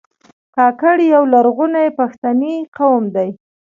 کاکړ یو لرغونی پښتنی قوم دی.